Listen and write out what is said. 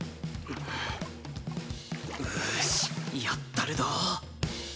よしやったるどぉ。